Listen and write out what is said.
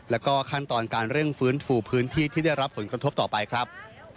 แล้วก็ขั้นตอนการเร่งฟื้นฟูพื้นที่ที่ได้รับผลกระทบต่อไปครับ